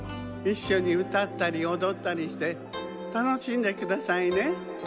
いっしょにうたったりおどったりしてたのしんでくださいね。